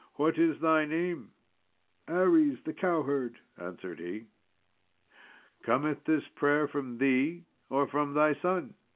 "What is thy name?" "Aries, the cowherd," answered he. "Cometh this prayer from thee or from thy son?"